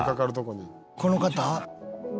この方？